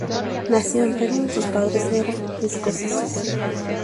Nació en Perú, sus padres eran escoceses.